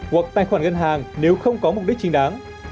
hoặc tài khoản ngân hàng nếu không có mục đích chính đáng